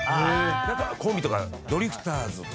コンビとかドリフターズとんねるず。